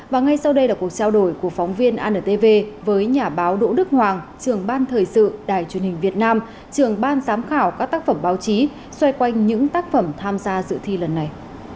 và ngay sau đây là cuộc trao đổi của phóng viên antv với nhà báo đỗ đức hoàng trưởng ban thời sự đài truyền hình việt nam trường ban giám khảo các tác phẩm báo chí xoay quanh những tác phẩm tham gia dự thi lần này